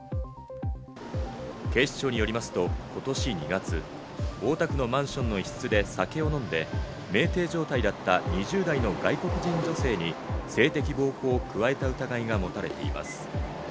警視庁によりますと今年２月、大田区のマンションの一室で酒を飲んで酩酊状態だった２０代の外国人女性に性的暴行を加えた疑いが持たれています。